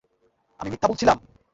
আমি মিথ্যা বলছিলাম?